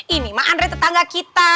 ini mah andre tetangga kita